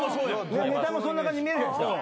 ネタもそんな感じに見えるじゃないですか。